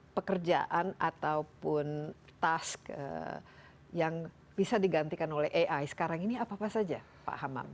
pekerjaan ataupun tas yang bisa digantikan oleh ai sekarang ini apa apa saja pak hamam